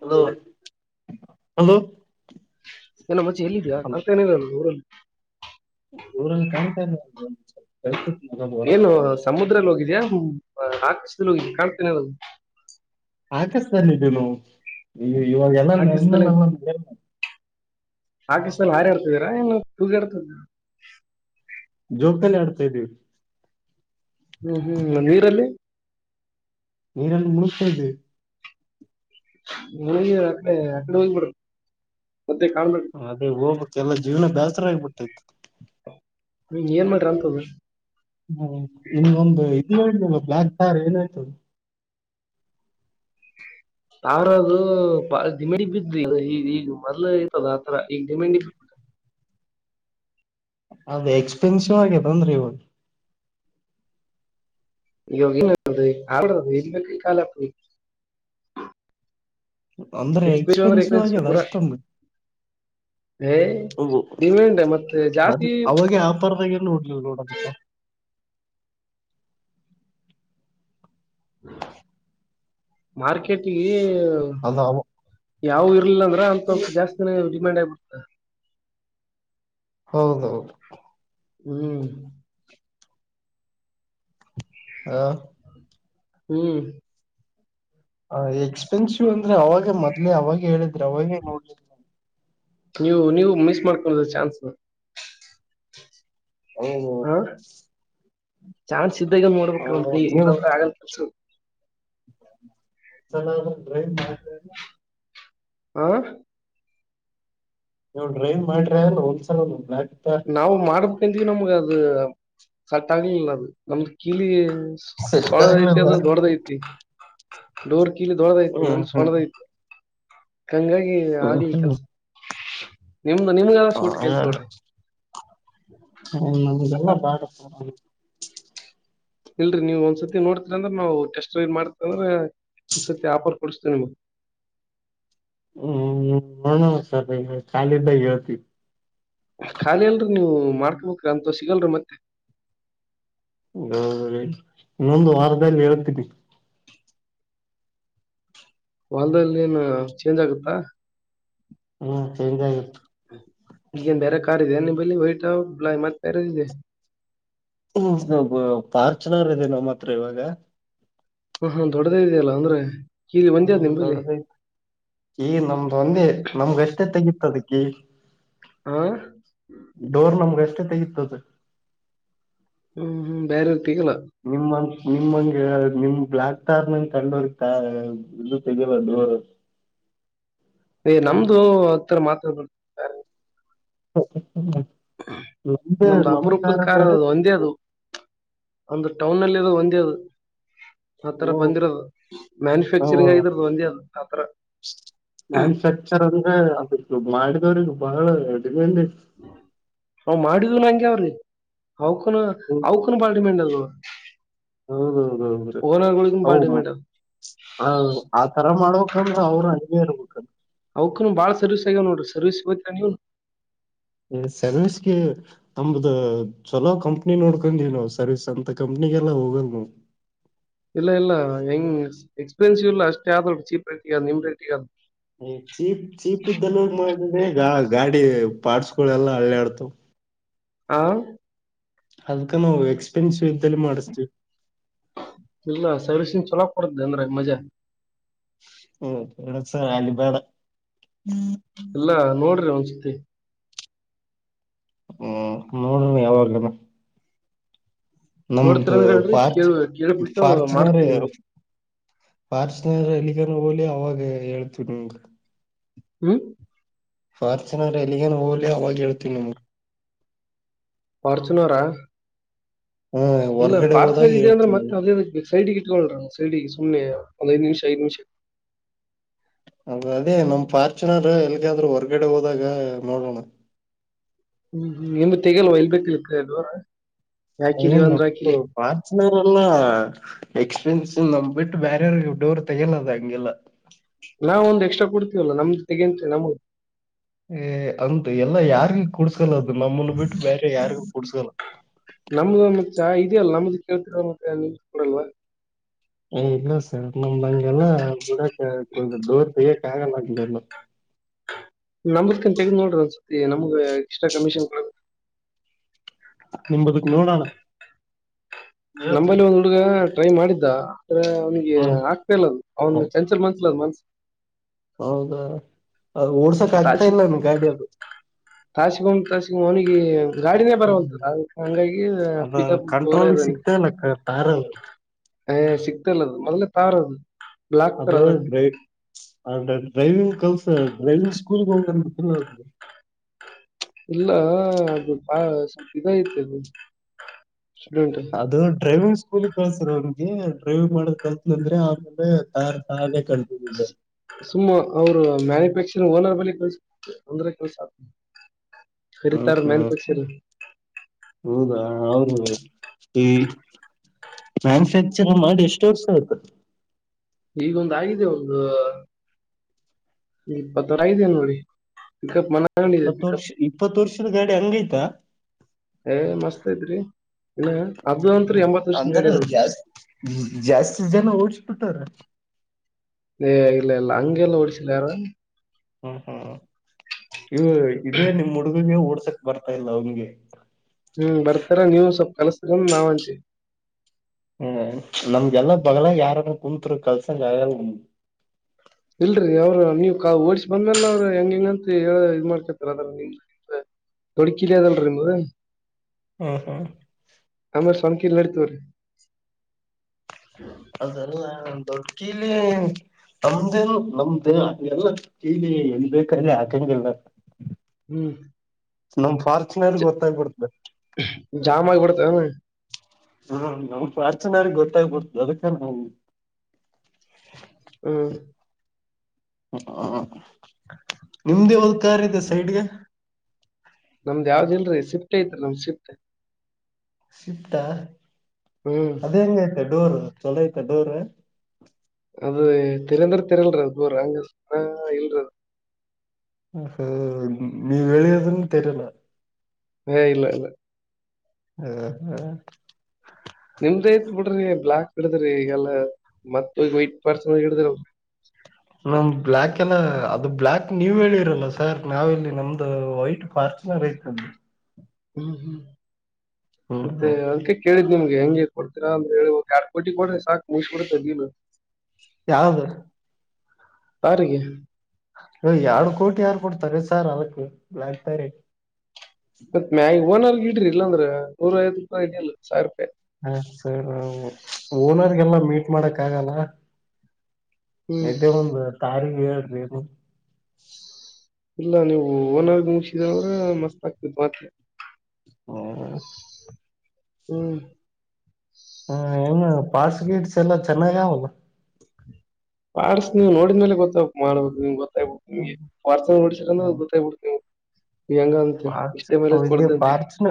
Hello hello hello ಮಚ್ಚಿ ಎಲ್ಲಿದ್ಯಾ ಅಂತ ಏನಲ್ಲ ಊರಲ್ಲಿ ಊರ ಕಾಣಿತ ಏನು ಸಮುದ್ರಲ್ ಹೋಗಿದ್ಯಾ ಆಕಾಶದಲ್ಲಿ ಹೋಗಿದ ಕಾಣ್ತೀನೆ ಇಲ್ಲಾ ಆಕಾಶದಲ್ಲಿ ದಿನ ಅಯ್ಯಯ್ಯೋ ಆಕಾಶದಲ್ಲಿ [unintelligible] ಆಕಾಶದಲ್ಲಿ ಹಾರಾಡ್ತಿದೀರಾ ಏನು ತುಗಾಡ್ತಾ ಇದ್ದೀರಾ ಜೋಕಾಲಿ ಆಡ್ತಿದೀವಿ ಹ್ಮ್ ಹ್ಮ್ ನೀರಲ್ಲಿ ನೀರಲ್ಲಿ ಮುಳುಗ್ತಾ ಇದ್ದೀವಿ [unintelligible] ಕಾಣ್ಬೇಡ್ರಿ ಅದೇ ಹೋಗ್ಬೇಕು ಎಲ್ಲ ಜೀವನ ಬ್ಯಾಸ್ರ ಆಗ್ಬಿಟ್ಟೈತ ಏನ್ ಮಾಡಿರ ಅಂತದ್ದು ಹ್ಮ ನಿಮಗೊಂದು ಇ ಹೇಳತಲ್ ಬ್ಲಾಕ್ ಥಾರ್ ಏನಾಯ್ತು ಸಾರ ಅದು ದಡಿಮೆಂಡಗ್ ಬಿದ್ರಿ ಈಗ ಈಗ ಮೊದ್ ಐತದ ಆತರ ಈಗ ದಿಮೆಂಡಿ ಬ [inaudible] ಅದೇ ಎಕ್ಸ್ಪೆನ್ಸಿವ್ ಆಗೇದಂದರಿ ಇವಾಗ [unintelligible] ಅಂದ್ರೆ ಎಕ್ಸ್ಪೆನ್ಸಿವ್ ಆಗ್ಯದ ಅಷ್ಟೊಂದು ಏ ಹೌದು ಡಿಮ್ಯಾಂಡ್ ಮತ್ತೆ ಜಾಸ್ತಿ ಅವಾಗ ಆಫರ್ ದಾಗ ಎಲ್ಲೂ ಹೋಗಿದ್ದೇವೆ ನೋಡು ಮಾರ್ಕೆಟ್ ಈ ಅದು ಅವ ಯಾವ ಇರ್ಲಿಲ್ಲ ಅಂದ್ರ ಅಂತವ ಜಾಸ್ತಿನ ಡಿಮಾಂಡ್ ಆಗ್ಬಿಡ್ತ ಹೌದೌದು ಹ್ಮ್ ಹಾ ಹ್ಮ್ ಹ ಎಕ್ಸ್ಪೆನ್ಸಿವ್ ಅಂದ್ರೆ ಅವಾಗೆ ಮೊದ್ಲೇ ಅವಾಗ ಹೇಳಿದ್ರೆ ಅವಾಗ ನೋಡ್ಲ ನ ನೀವು ನೀವು ಮಿಸ್ ಮಾಡ್ಕೊಂಡ್ರು ಚಾನ್ಸ್ ಹೌದೌದು ಹಾ ಚಾನ್ಸ ಚಾನ್ಸ್ ಇದ್ದಾಗ ಹ ನೋಡ್ಬೇಕು ಒಂದು ಕೈ ಇಲ್ಲ ಅಂದ್ರ ಆಗಲ್ಲ ಸರ್ ನಾ ಅದ್ನ ಡ್ರೈವ್ ಮಾಡದೇ ಇಲ್ಲಾ ಆ ನೀವು ಡ್ರೈವ್ ಮಾಡ್ರಿ ಅಲ್ ಒಂದ್ಸಲ ಒಂದು ಬ ನಾವು ಮಾಡ್ಬೇಕಂತವಿ ನಮ್ಗ ಅದು ಸೆಟ್ ಆಗ್ಲಿಲ್ಲ ಅದು ನಮ್ದ ಕೀಲಿ ಸೆಟ್ ಸೋನಾದ ಐತಿ ಆಗ್ಲಿಲ್ಲ ಅದ ದೊಡ್ಡದ ಐತಿ ಡೋರ್ ಕೀಲಿ ದೊಡ್ಡದ ಐತೆ ಹ್ಮ್ ನಮ ಹ್ಮ್ ಸಣ್ಣದ ಐತಿ ಹಂಗಾಗಿ ಹ್ಮ್ ಆಗ್ಲಿಲಾ ಹ್ಮ್ ಕೆಲ್ಸ ನಿಮ್ದ ನಿಮಗೆಲ್ಲ ಸ್ಕೂಟಿ ಕಲ್ತ್ ನೋಡ್ರಿ ನಮ್ದ ಎಲ್ಲಾ ಬ್ಯಾಡ ಸಾರ್ ಇಲ್ರರಿ ನೀವ ಒಂದ್ಸರ್ತಿ ನೋಡ್ತರಿ ಅಂದ್ರ ನಾವು ಟೆಸ್ಟ್ ಡ್ರೈವ್ ಮಾಡ್ತ ಅಂದ್ರ ಒಂದ್ ಸತಿ ಆಫರ್ ಕೊಡಿಸ್ತೇ ನಿಮಗ ಹೂ ನೋಡೋಣ ಸರ್ ಈಗ ಖಾಲಿ ಇದಾಗ ಹೇಳ್ತೀವಿ ಮಾಡ್ಕಬೇಕ್ರ ಅಂತ ಸಿಗಲ್ರರಿ ಮತ್ತೆ ಹೌದರಿ ಇನ್ನೊಂದು ವಾರದಲ್ಲಿ ಹೇಳತೀನಿ ಹೊಲದಲ್ಲಿ ಏನು ಚೇಂಜ್ ಆಗುತ್ತಾ ಹ್ಮ ಚೇಂಜ್ ಆಗಿತ್ತು. ನ್ ಬೇರೆ ಕಾರಿದೆ ಬಲಿ ವೈಟಾವಲ ಮತ್ತ ಬೀರಿದೆ. [inaudible] ಪಾರ್ಚನರ್ ಇದೆ ನಮ್ಮ ಮಾತ್ರ ಇವಾಗ. ಹ್ಮ ಹ್ಮ ದೊಡ್ಡದೇ ಇದ್ಯಲ್ಲಾ ಅಂದ್ರೆ. ಇಲ್ಲಿ ಒಂದೇ ಅದ ಹ್ಮ ನಿಮ್ಮಲ್ಲಿ ದೊಡ್ಡದಾಯ್ತು ಈಗ ನಮ್ದು ಒಂದೆ ನಮ್ಗೆ ಎಷ್ಟೇ ತಗಿ. [unintelligible] ದಕ್ಕೆ ಆ ಡೋರ್ ನಮ್ಗೆ ಎಷ್ಟೆ ತೆಗಿತದ. ಹ್ಮ್ ಹ್ಮ್ ಬೇರೆ. ನಿಮ ಮನ್ಸ್. ನಿಮಂಗೆ ನಿಮ್ ಬ್ಲಯಾಕ್ಟಾರ್ ನಂಗ ಕಂಡೋರ್ ಇದು ತೆೆಗೆಲ್ಲ ದೋರ್. ಹ್ಮ. ಏ ನಮ್ದು ಹತ್ರರ ಮಾತಾ. ನಮ್ದ ನಮ್ದು ನಮಕಾರ ಬೇರೆ. [inaudible] ಟೌನ್ಲ್ಲಿ ಇರೋದು ಒಂದೇ ಅದು. ಆತರ ಬಂದಿರೋದು ಮ್ಯಾನುಫ್ಯಾಕ್ಚರಿಂಗ್ ಆಗಿದಿರದು ಒಂದೇ ಅದು ಆತರ. ಮ್ಯಾನುಫ್ಯಾಕ್ಚರ್ ಅಂದ್ರೆ. ದುಡ್ಡು ಮಾಡಿದವ್ರರಿಗೆ ಬಹಳ ಡಿಮ್ಯಾಂಡ್ ಆಯ್ತ್ರಿ. ನ ಮಾಡಿದ್ ನಂಗೆವ್ರಿ ಅವಕನು ಅವಕನು ಬಾಟಿ ಮೆಂಡದ. [inaudible] ಹೌದೌದೌದ ಬಾಳ ಹ ಡಿಮ್ಯಾಂಡ್ ಅದು ಆತರ ಮಾಡ. ಯಾಕಂದ್ರ ಅವ್ರರು ಅಂಗೆ ಇರ್ಬೇಕ್ರ. ಅವಕನು ಬಾಳ ಸರ್ವಿಸ್ ಆಗ್ಯವ್ ನೋಡ್ರಿ ಸರ್ವೀಸ ಸಿಗೋತ್ತರ ನೀವ. ಸರ್ವಿಸ್ಗೆ ನಮ್ದ ಚಲೋ ಕಂಪ್ನಿ ನೋಡ್ಕೊಂಡೀ ನಾ ಸರ್ವಿಸ್ ಅಂತ ಕಂಪ್ನಿ. ಅಗೆ ಎಲ್ಲ ಹೋಗಂಗ. ಇಲ್ಲ ಇಲ್ಲ ಹೆಂಗ್ ಎಕ್ಸ್ಪೆನ್ಸಿವ್ ಇಲ್ಲ ಅಷ್ಟೇ ಆದ ಚೀಪ್ ರೇಟಗ ನಿಮ್ ರೇಟಗ ಅ. ಚೀಪ್ ಚೀಪ್ ಇದ್ದಲ್ಲ ಮಾಡ್ರೆ ಗ ಗಾಡಿ ಪಾರ್ಟ್ಸ್ ಗಳೆಲ್ಲಾ ಹಳ್ಳಆಡ್ತವ. ಆ ಅದ್ಕ ನಾವು ಎಕ್ಸ್ಪೆನ್ಸಿವ್ ಇದ್ದಲ್ಲಿ ಮಾಡಿಸ್ತೀವಿ. ಇಲ್ಲ ಸರ್ವೀಸಿಂಗ್ ಚಲೋ ಕೊಡದೆ ಅಂದ್ರೆ ಮಜಾ. ಹ್ಮ ಎಡಸ ಅಲೀಬೇಡ. ಎಲ್ಲಾ [inaudible] ಹ್ಮ್ ಮೂಡ [unintelligible] ಯಾವ ಅಲ್ಲ. ನಮ್ದು ನೋಡ್ತಿರಂದ್ರ ಹೇಳ್ರಿ ಫಾರ್ ಕೇಳ ಕೇಳ್ಬಿಟ್ಟು ಫಾರ್ಚುನರ್. ಮಾಡ್ತೀವಿ ನಿಮ್ಗೆ ಫಾರ್ಚುನರ್ ಎಲ್ಲಿಗನ ಹೋಗಲಿ ಅವಾಗ ಹೇಳ್ತ ನಿ. ಹ್ಮ್ ಫಾರ್ಚುನರ್ ಎಲ್ಲಿಗನ್ ಹೋಗಲಿ ಅವಾಗ ಹೇಳ್ತೀ ನಿಮ್ಗೆ. ಪಾರ್ಚುನರಾ. ಹ್ಮ್ ಇಲ್ಲ ಹೊರ್ಗಡೆ ಹೋದಾಗ ಫಾರ್ಚುನರ್ ಇದೆ ಅಂದ್ರೆ ಹೇಳ್ತೀನಿ. ಮತ್ತೆ ಅದೇನುಕ್ಕೆ. ಸೈಟ ಇಟ್ಕೊಡ್ರ ಸೈಟ ಸುಮ್ನೆ ಒಂದು ನಿಮಿಷ ಐದು ನಿಮಿಷ. ಅ ಅದೇ ನಮ್ ಫಾರ್ಚುನರ್ ಎಲ್ಗಾದ್ರೂ ಹೊರ್ಗಡೆ ಹೋದಾಗ ನೋಡೋಣ. ಹ್ಮ್ ನಿಮ್ಮ ತೆಗಲ್ವಾ ಇಲ್ಬೇಕಲಿಲ್ಲರ. ಏನ್ ನಮು ಪಾರ್ಸನರ್ ಎಲ್ಲ ಎಕ್ಸ್ಪೆನ್ಸಿವ್ ನಂ. ಬಿಟ್ ಬೇರೆಗಿ ಡೋರ್ ತೆಯಂಗೆಲ್ಲ ಅದು ಹಂಗೆಲ್ಲ. ಲ್ಲ ನಮ್ದು ತೆಗ ಅಂತ ಹೇಳಿ ನಮ್ದ. ಏ ಅಂತು ಎಲ್ಲಾ ಯಾರಿಗ ಕೂಡ್ಸ್ಕಲ್ಲ ಅದು ನಮ್ಮನ್ನು ಬಿಟ್ಟು ಬೇರೆ ಯಾರಿಗ ಕುೂಡ್ಸ್ಕಲ್ಲ. [inaudible] ನಮ್ದಮ ಚ ಇದ. [unintelligible] ಕೊಡಲ್ವಾ. ಏ ಇಲ್ಲಸ. ನಮ್ಮ್ ಅಂಗಲ್ಲ [unintelligible] ಡೋರ್ ತರಕಾಗಲ್ಲ ಹಂಗೆಲ್ಲ. ನಂಬತ್ಕಂಡ ತೆಗ್ದ್ ನೋಡ್ರಿ ಒಂದ್ ಸತಿ ನಮಗ ಎಕ್ಸ್ಟ್ರಾ ಕಮಿಷನ್ ಕೊ. ನಿಂಬದುಕ್ಕೆ ನೋಡಣ ನಂಬಲ್ಲಿ ಒಂದ್ ಹುಡುಗ ಟ್ರೈ ಮಾಡಿದ್ದ ಅವ್ನಿಗೆ ಹ್ಮ್ ಆಗ್ತಾ ಇಲ್ಲದು ಅವ್ನು ಹೌ- ಚಂಚಲ್ ಮನ್ಸಲದ ಮನ್ಸ ಹೌದಾ ಅದು ಓಡ್ಸಕ್ ತ ಆಗ್ತಾ ಸಿ ಇಲ್ಲ ನನ್ ಗಾಡಿ ಅದು ತ ಸಿಗ ತ ಸಿಗ ಅನಗೆ ಗಾಡಿನೇ ಬರವಲ್ ಹ್ಮ್ ಹಂಗಾಗಿ ಅದ ಪಿಕಪ್ ತಗಲ ಕಂಟ್ರೋಲ್ ಇದೆನ ಸಿಗ್ತಾ ಇಲ್ಲ ತಾರ ಹ ಸಿಕ್ತಲ್ಲದು ಮೊದಲ ತಾರದು ಅದು ರೇಟ್ ಅ ಡ್ರೈವಿಂಗ್ ಕಲ್ಸ ಡ್ರೈವಿಂಗ್ ಸ್ಕೂಲ್ಗೆ ಹೋಗ ಇಲ್ಲ ಅದು ಬಾ ಸ್ವಲ್ಪ ಇದ ಐತಿ ಅದು ಸ್ಟೂಡೆಂಟ್ ಅದು ಡ್ರೈವಿಂಗ್ ಸ್ಕೂಲಿ ಕಳ್ಸ್ರರು ಅವ್ನ್ಗೆ ಡ್ರೈವಿಂಗ್ ಮಾಡ ಕಲ್ತ್ ಅಂದ್ರೆ ಆ ತಾರ ತೇ ಕತ ಸುಮ್ಮ ಅವರು ಮ್ಯಾನುಫ್ಯಾಕ್ಚರಿಂಗ್ ಓನರ್ ಬಳಿ ಕೆಲ್ಸ ಅಂದ್ರೆ ಕೆಲ್ಸ ಆಗ್ ಹ್ಮ್ ಹರಿತಾರ ಮ್ಯಾನ್ ಹ್ಮ್ ಕೊ ಚ ಹೌದಾ ಅವರು ಹ ಮ್ಯಾನುಫ್ಯಾಕ್ಚರಿಂಗ್ ಮಾಡಿ ಎಷ್ಟು ವರ್ಷ ಆಯ್ತು ಈಗೊಂದ ಆಗಿದೆ ಒಂದು ಇಪ್ಪತ್ತಾರ ಆಗಿದೇ ನೋಡಿ ಪಿಕಪ್ ಮನ ಇಪ್ಪತ್ತು ವರ್ಷ ಪಪ್ ಇಪ್ಪತ್ತು ವರ್ಷದ ಗಾಡಿ ಹಂಗೈತಾ ಏ ಮಸ್ತ್ ಐತ್ರಿ ಇನ್ನ ಅದು ಅಂತೂ ಎಂಬತ್ತು ವರ್ಷದ ಅಂದ ಗಾಡಿ ಅದು ಜಸ್ ಸಿಜನ್ ಹ ಟರ ಏ ಇಲ್ಲ ಇಲ್ಲ ಅಂಗ ಎಲ್ಲ ಡಶಿಲ್ಲ ಯಾರ ಹ್ಮ್ ಹ್ಮ್ ಇ ಇದೇ ನಿಮ ಹುಡುಗಗೆ ಓಡ್ಸಕ್ ಬರ್ತಾ ಇಲ್ಲ ಅವಂಗೆ ಕಲಸರ ನಾವಂತೆ ಹ್ಮ್ ನಮ್ಗೆಲ್ಲ ಬಗ್ಲ ಯಾರಾರ ಕುೂಂತ್ರು ಕಲ್ಸ ಜಾಯಲ್ ಇಲ್ರರಿ ಅವ್ರು ನೀವ್ ಕ ಓಡ್ಸ ಬಂದ್ಮೇಲೆ ಅವ್ರು ಹೆಂಗಿಂಗಂತ ಹೇಳ ಇದ್ ಮಾಡ್ಕತರ ಅದ್ರಮ ಹಡಕಲಿ ಅದಲ್ರಿ ನಿಮ್ದ ಹ್ಮ ಹಾ ಸಂಕಲ್ಡ್ತವ್ರೀ ಅದಲ್ಲ ದೊಡ್ಕಿಲಿ ನಮ್ದೇನು ನಮ್ದೇ ಎಲ್ಲ ಕಲಿ ಎಲ್ಲಿ ಬೇಕಾದ್ರೆ ಹಾಕಂಗಿಲ್ಲ ಹ್ಮ್ ನಮ್ ಫಾರ್ಚುನರ್ಗೆ ಚ- ಗೊತ್ತಾಗಬಿಡ್ತದೆ ಜಾಮ್ ಆಗ್ಬಿಡ್ತಾವನ ಹಾ ನಮ್ ಪ್ರಾರ್ಚನ್ರಿಗೆ ಗೊತ್ತಾಗ್ಬಡ್ತ ಅದಕ್ಕ ಹ್ಮ ಹ ನಿಮ್ದ ಒದ ಕಾರ್ ಇದೆ ಸೈಡ್ಗೆ ನಮ್ದ್ ಯಾವ್ದ್ ಇಲ್ರೀ ಶಿಫ್ಟ್ ಐತ್ರಿ ನಮ್ದ್ ಶಿಫ್ಟ್ ಸಿಕ್ತಾ ಹ್ಮ್ ಅದ ಹೆಂಗಯತ ಡೋರ್ ಚೊಲೋ ಆಐ್ತ ಡೋರ್ ಅದು ತರಂದ್ರೆ ತೆರಲ್ರ ಬ ಹಂಗ ಇಲ್ರ ಹ ಸ ನೀ ಬೆಳಿಯದು ತರಲ ಹಾ ಇಲ್ಲ ಇಲ್ಲ ಹಾ ಹಾ [unintelligible] ಬ್ಲಾಕ್ ಹಿಡದ್ರಿ ಈಗಲ್ಲಾ ಮತ್ತ ಈ ವೈಟ್ ಪರ್ಸನ್ ಹಿಡದ್ರಿ ಅವಿ ನಮ್ ಬ್ಲ್ಯಾಕ್ ಎಲ್ಲ ಅದು ಬ್ಲ್ಯಾಕ್ ನೀವ್ ಹೇಳಿರಲ್ಲ ಸರ್ ನಾವ ಇಲ್ಲಿ ನಮ್ದು ವೈಟ್ ಪಾರ್ಕ್ ರೇತು ಹ್ಮ್ ಹ್ಮ್ ಮತ್ತೆ ಹ್ಮ್ ಅಲ್ ಕ ನಿಮ್ಗೆ ಹೆಂಗೆ ಕೊಡ್ತೀರಾ ಅಂದ್ರ ಹೇಳಿ ಕಾರ್ ಕೋಟಿ ಕೊಡ್ರೆ ಸಾಕಕ್ ಮುಗ ಕೊಡತದನು ಯಾವ್ದು [unintelligible] ಅ ಎರಡ್ ಕೋಟಿ ಯಾರ ಕೊಡ್ತಗ ಸಾರ್ ಅಲಕ್ ಆತರಿ ಮತ್ ಮ್ಯಾಗ್ ಓನರ್ಗ ಇಡ್ರಿ ಇಲ್ಲಂದ್ರ ನೂರ ಐವತ್ ರೂಪಾಯಿ ಇದಿಲ್ಲ ಸಾವಿರ್ ಹ ಸರ್ ಓನರ್ಗೆಲ್ಲ ಮೀಟ್ ಮಾಡಕ ಆಗಲ್ಲ ಹ್ಮ್ ಇದ್ದಿದ್ ಒಂದ ತಾರಿ ಹೇಳ್ರಿ [unintelligible] ಇಲ್ಲ ನೀವು ಓನರ್ಗಾ ಮುಗಸಿದಂದ್ರ ಮಸ್ತ್ ಆಗ್ತಿತ್ ಮತ್ತೆ. ಹ್ಮ್ ಹ್ಮ್ ಹ್ಮ ಏನ ಪಾರ್ಸ್ ಗೀಟ್ಸ್ ಎಲ್ಲ ಚೆನ್ನಾಗ ಅವಲ್ಲ. ಪಾಡ್ಸ ನೀವು ನೋಡಿದ ಮೇಲೆ ಗೊತ್ತ ಮಾಡ್ಬೇಕ ನಿಮ್ ಗೊತ್. ತಬೆಕ್ ನೀ ವಾಡ್ಸ ಬಿಡ್ಸಿ ಅಂದ್ರ ಹ್ಮ ಗೊತ್ತ ಆಗ್ ಬಿಡತ್ ನಿಮ್ಗ. ಪಾರ್ಚ್ ಅವ್ ಇದ್ದಿದ ಅಂತೀವಿ ಪಾರ್ಚ್ ನ.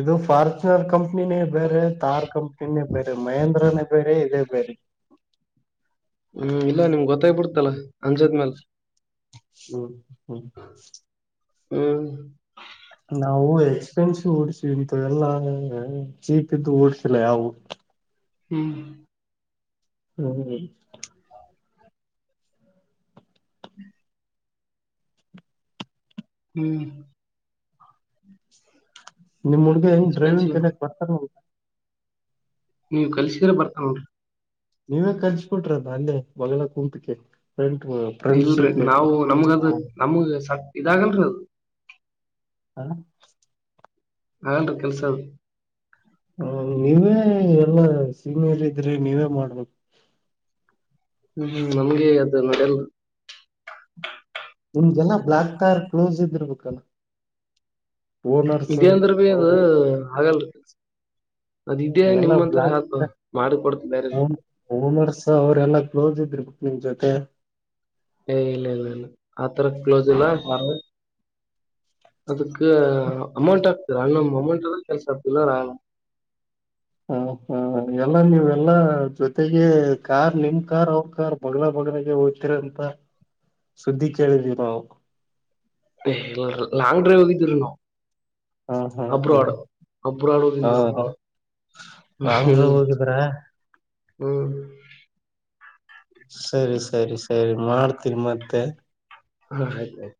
ಇದು ಫಾರ್ಚುನರ್ ಕಂಪ್ನಿನೇ ಬೇರೆ ತಾರ್ ಕಂಪ್ನಿನೇ ಬೇರೆ ಮಹೇಂದ್ರನೇ ಬೇರೆ ಇದೆ ಬೇರೆ. ಬೇರೆ. ಹ್ಮ್ ಇಲ್ಲ ನಿಮ್ ಗೊತ್ತಾಗ ಬಿಡ್ತಲ್ಲಾ ಅಂಜದಮ್ಯಲ್. ಹ್ಮ್ ಹ್ಮ್ ಹ್ಮ್ ನಾವು ಎಕ್ಸ್ಪೆನ್ಸಿವ್ ಓಡ್ಸೀವಿ ಇಂಥವೆಲ್ಲ ಅ ಚೀಪ್ ಇದ್ದು ಓಡ್ಸಿಲ್ಲ ಯಾವು. ಹ್ಮ್ ಹ್ಮ್ ಹ್ಮ್ ನಿಮ್ ಹುಡ್ಗ ಹೆಂಗ ಡ್ರೈವಿಂಗ್ ಎಕ್ಸ್ಪೆನ್ಸಿವ್ ಕಲ್ಯಾಕ್ ಬರ್ತ್ ನೀವ ಕಲ್ಸಿದ್ರ ಬರ್ತಾಳ ನೋಡ್ರಿ. ನೀವೇ ಕಲ್ಚ್ ಕೊಟ್ರದಲ್ಲೆ ಮಗಲಾಗ್ ಕುಂತಕೆ. ಇಲ್ರಿ ನಾವು ನಮಗದು ನಮಗ ಸ ಇದಾಗಲ್ರಿ ಅದ. ಹ ಆಗಲ್ರಿ ಕೆಲ್ಸದು. ಹ ನೀವೇ ಎಲ್ಲ ಸೀನಿಯರ್ ಇದ್ರಿ ನೀವೇ ಮಾಡಬೇಕ. ಹ್ಮ್ ನಮ್ಗೆ ಅದು ನಡ್ಯಲ. ನಿಮಗೆಲ್ಲ ಬ್ಲಾಕ್ ಕಾರ್ ಕ್ಲೋಸ್ ಇದಿರ್ಬೇಕಲ್ಲ. ಓನರ್ಸ್ ಇದೆ ಅಂದುರ್ಬಿ ಅದು ಅವರೆಲ್ಲ ಅಗಲ್ರಿ. ಅ ಇದೇ ಎಲ್ಲಾ ನಿಮ್ಮೊಂತೊರಿಗ್ ಬ್ಲಾಕ್ ಆತದ ಮಾಡಕೊ ಓಮ್ ಓನರ್ಸ್ ಅವ್ರೆಲ್ಲಾ ಕ್ಲೋಸ್ ಇದ್ದಿರಬೇಕ್ ನಿಮ್ ಜೊತೆ. ತರ ಕ್ಲೋಸ್ ಇಲ್ಲ ಪಾರ್ವೈ ಅದಕ್ಕ ಅಮೌಂಟ್. ಇರಣ್ಣಮ್ ಅಮೌಂಟ್ ಇದ್ರ ಕೆಲ್ಸ ಆತದ ಇಲ್ಲ ಅಂದ್ರ ಆಗಲ್. ಹ ಹ ಎಲ್ಲ ನೀವೆಲ್ಲಾ ಜೊತೆಗೆ ಕಾರ್ ನಿಮ್ ಕಾರ್ ಅವ್ರ ಕಾರ್ ಬಗಲಗ ಬಗ ಬಗಲಗೆ ಹೊತಿರಂತ ಸುದ್ದಿ ಕೇಳಿದ್ವಿ ನಾವು. ಹೆ ಇಲ್ರ ಲಾಂಗ್ ಡ್ರೈವ್ ಹೋಗಿದ್ದೇವ್ರಿ ನಾವ್. ಹಾ ಹಾ ಹಾ ಅಬ್ರಾಡ್ ಅಬ್ರಾಡ್ ಹೋಗಿದ್ವಿ ಅಬ್ರಾಡ್. ಅಬ್ರಾಡ್ ಹ್ಮ್ ಹೋಗಿದ್ರ. ಹ್ಮ್ ಸರಿ ಸರಿ ಸರಿ ಮಾಡ್ತೀನಿ ಮತ್ತೆ. ಹಾ ಆಯ್ತ ಆಯ್ತ.